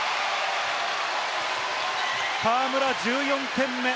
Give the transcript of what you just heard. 河村１４点目。